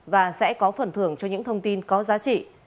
và sẽ có phần thưởng cho những thông tin có giá trị